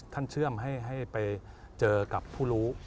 เชื่อมให้ไปเจอกับผู้รู้